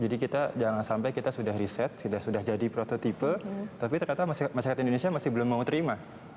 jadi kita jangan sampai kita sudah riset sudah jadi prototipe tapi terkata masyarakat indonesia masih belum mau terima